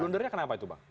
blundernya kenapa itu bang